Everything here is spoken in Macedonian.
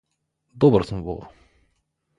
Добар сум во ова.